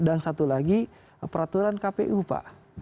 dan satu lagi peraturan kpu pak